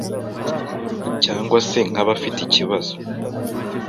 cyangwa se nk’abafite ikibazo.